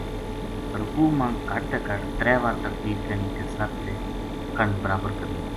رکوع ما کہٹ تے کہٹ ترے وار تکبیر کہنی تے سر تے کنڈ برابر کرنی۔